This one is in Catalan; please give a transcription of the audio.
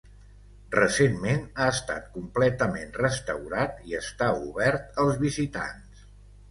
Recentment ha estat completament restaurat i està obert als visitants.